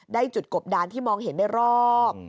ได้จุดกบดานที่มองเห็นได้รอบ